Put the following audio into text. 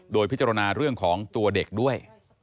โดยพิจารณาเรื่องของตัวเด็กด้วย